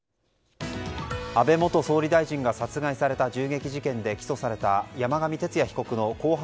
安倍元総理大臣が殺害された銃撃事件で起訴された山上徹也被告の公判